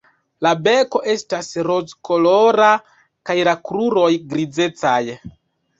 La beko estas rozkolora kaj la kruroj grizecaj.